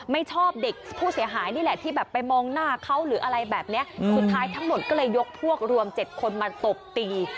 ไม่ชอบเด็กผู้เสียหายนี่แหละที่แบบไปมองหน้าเขาหรืออะไรแบบนี้สุดท้ายทั้งหมดก็เลยยกพวกรวม๗คนมาตบตี